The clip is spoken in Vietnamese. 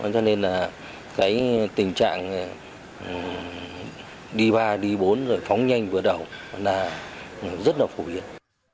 cho nên là cái tình trạng đi ba đi bốn rồi phóng nhanh vừa đầu là rất là phổ biến